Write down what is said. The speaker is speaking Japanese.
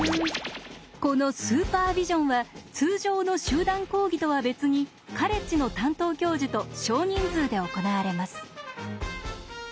このスーパービジョンは通常の集団講義とは別にカレッジの担当教授と少人数で行われます。